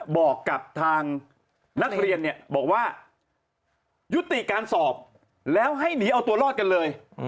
บอกกับทางนักเรียนเนี่ยบอกว่ายุติการสอบแล้วให้หนีเอาตัวรอดกันเลย